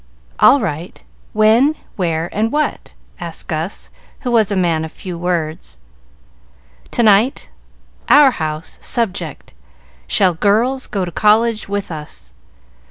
"All right. When, where, and what?" asked Gus, who was a man of few words. "To night, our house, subject, 'Shall girls go to college with us?'